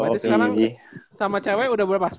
berarti sekarang sama cewek udah berapa